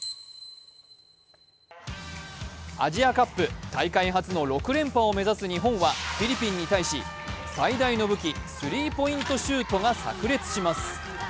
アジアカップ、大会初の６連覇を目指す日本はフィリピンに対し、最大の武器スリーポイントシュートがさく裂します。